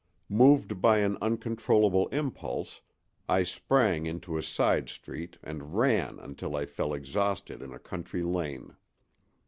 Moved by an uncontrollable impulse, I sprang into a side street and ran until I fell exhausted in a country lane.